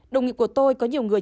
đồng nghiệp của tôi có nhiều người